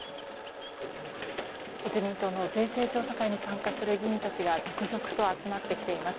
自民党の税制調査会に参加する議員たちが続々と集まってきています。